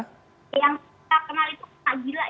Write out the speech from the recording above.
yang saya kenal itu kak gila ya